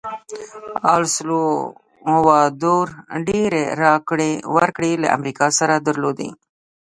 السلوادور ډېرې راکړې ورکړې له امریکا سره درلودې.